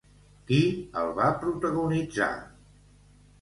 Qui el va protagonitzar?